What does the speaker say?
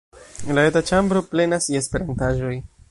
La eta ĉambro plenas je Esperantaĵoj.